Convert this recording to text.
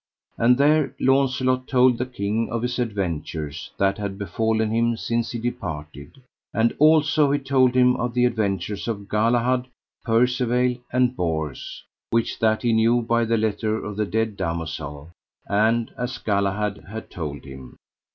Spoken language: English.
And there Launcelot told the king of his adventures that had befallen him since he departed. And also he told him of the adventures of Galahad, Percivale, and Bors, which that he knew by the letter of the dead damosel, and as Galahad had told him.